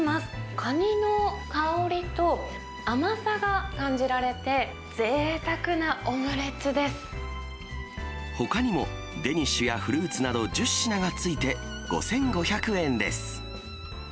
カニの香りと甘さが感じられて、ほかにも、デニッシュやフルーツなど１０品が付いて５５００円です。